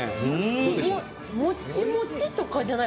もっちもちとかじゃない。